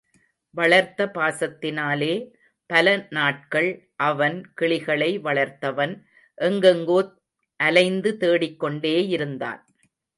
வளர்த்த பாசத்தினாலே — பல நாட்கள் — அவன் — கிளிகளை வளர்த்தவன்—எங்கெங்கோ அலைந்து தேடிக் கொண்டேயிருந்தான்.